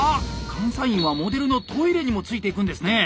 監査員はモデルのトイレにもついていくんですね！